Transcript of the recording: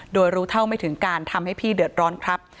โดยรู้เท่าไม่ถึงการทำให้พี่เดือดร้อนครับ